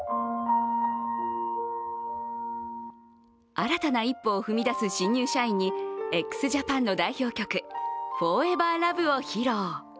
新たな一歩を踏み出す新入社員にＸＪＡＰＡＮの代表曲「ＦｏｒｅｖｅｒＬｏｖｅ」を披露。